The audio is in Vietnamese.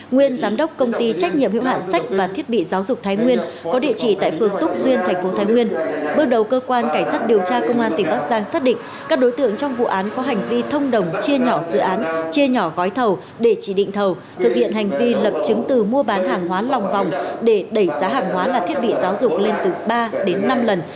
nguyễn thị song hà phó trưởng phòng tài chính kế hoạch huyện việt yên nguyễn giám đốc công ty trách nhiệm hiệu hạn sách và thiết bị giáo dục thái nguyên có địa chỉ tại phường túc duyên thành phố thái nguyên